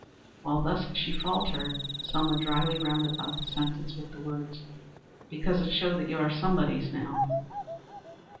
While she thus faltered, Selma drily rounded out the sentence with the words, "Because it showed that you are somebodies now."